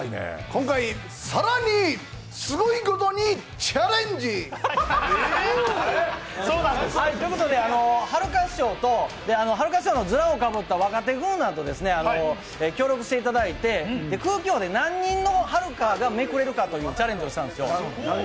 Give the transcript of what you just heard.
今回更にすごいことにチャレンジ！ということで、はるか師匠とはるか師匠のズラをかぶった若手軍団と協力していただいて空気砲で何人のはるかがめくれるかというチャレンジをしたんですよ。